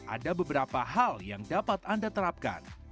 ada beberapa hal yang dapat anda terapkan